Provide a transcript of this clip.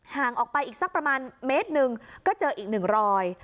ห่างออกไปอีกสักประมาณเมตรหนึ่งก็เจออีกหนึ่งรอย